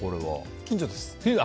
近所です。